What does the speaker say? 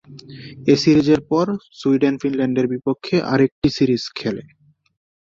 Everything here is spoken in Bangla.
এ সিরিজের পর সুইডেন ফিনল্যান্ডের বিপক্ষে আরেকটি সিরিজ খেলে।